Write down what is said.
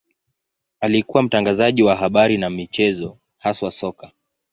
Alikuwa mtangazaji wa habari na michezo, haswa soka.